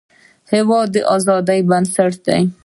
هېواد د عزت بنسټ دی.